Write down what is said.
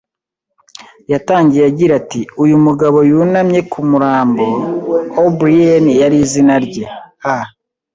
Yatangiye agira ati: "Uyu mugabo, yunamye ku murambo" - O'Brien yari izina rye, a